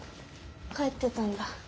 帰ってたんだ。